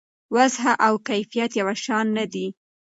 وضوح او کیفیت یو شان نه دي.